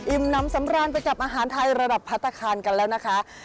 น้ำสำราญไปกับอาหารไทยระดับพัฒนาคารกันแล้วนะคะ